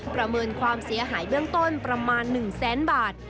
ประเมินความเสียหายเบื้องต้นประมาณ๑แสนบาท